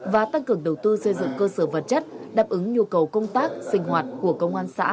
hai nghìn hai mươi ba và tăng cường đầu tư xây dựng cơ sở vật chất đáp ứng nhu cầu công tác sinh hoạt của công an xã